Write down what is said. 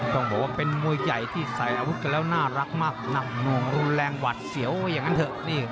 ต้องบอกว่าเป็นมวยใหญ่ที่ใส่อาวุธกันแล้วน่ารักมากหนักหน่วงรุนแรงหวัดเสียวอย่างนั้นเถอะ